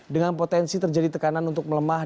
dengan potensi terjadi tekanan untuk melemah